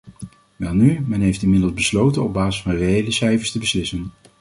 Welnu, men heeft inmiddels besloten op basis van reële cijfers te beslissen.